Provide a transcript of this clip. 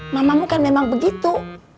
mamamu kan memang begitu